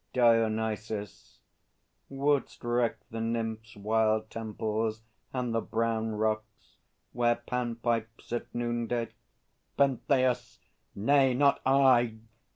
DIONYSUS. Wouldst wreck the Nymphs' wild temples, and the brown Rocks, where Pan pipes at noonday? PENTHEUS. Nay; not I!